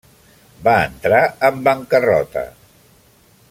Va entrar en bancarrota.